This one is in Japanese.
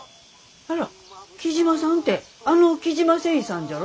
あら雉真さんてあの雉真繊維さんじゃあろ。